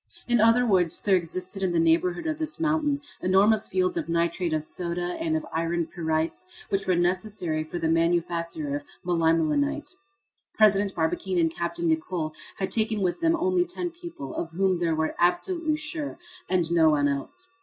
In other words, there existed in the neighborhood of this mountain enormous fields of nitrate of soda and of iron pyrites, which were necessary for the manufacture of melimelonite. President Barbicane and Capt. Nicholl had taken with them only ten people, of whom they were absolutely sure, and no one else.